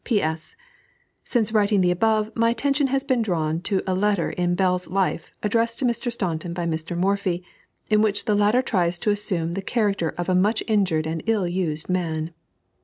P. S. Since writing the above my attention has been drawn to a letter in Bell's Life addressed to Mr. Staunton by Mr. Morphy, in which the latter tries to assume the character of a much injured and ill used man.